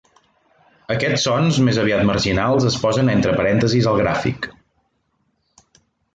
Aquests sons més aviat marginals es posen entre parèntesis al gràfic.